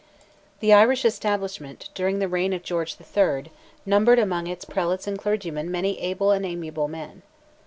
The Irish Establishment, during the reign of George III., numbered among its prelates and clergy many able and amiable men.